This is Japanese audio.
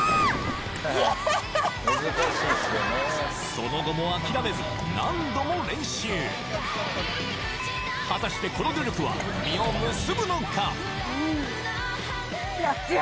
その後も諦めず何度も練習果たしてこの努力は実を結ぶのか？